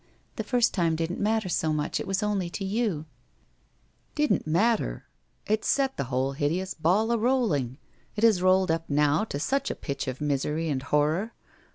The first time didn't matter so much, it was only to you/ ' Didn't matter ! It set the whole hideous ball a rolling. It has rolled up now to such a pitch of misery and horror.